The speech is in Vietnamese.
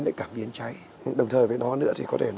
cái cảm biến cháy đồng thời với nó nữa thì có thể